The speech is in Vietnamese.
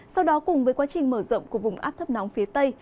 sau đó cùng với quá trình mở rộng của vùng áp thấp nóng phía tây